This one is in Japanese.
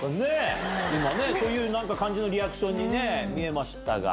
今ねそういう感じのリアクションに見ましたが。